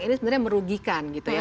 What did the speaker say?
ini sebenarnya merugikan gitu ya